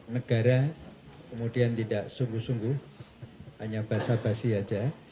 negara kemudian tidak sungguh sungguh hanya basa basi saja